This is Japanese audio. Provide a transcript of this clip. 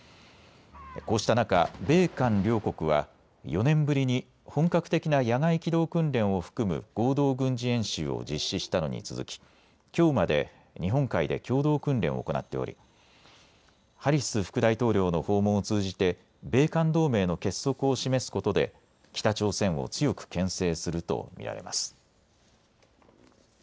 こうした中、米韓両国は４年ぶりに本格的な野外機動訓練を含む合同軍事演習を実施したのに続ききょうまで日本海で共同訓練を行っておりハリス副大統領の訪問を通じて米韓同盟の結束を示すことで北朝鮮を強くけん制すると見られます。